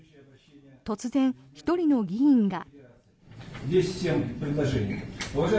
突然、１人の議員が。